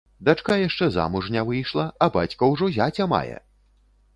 Дачка яшчэ замуж не выйшла, а бацька ўжо зяця мае!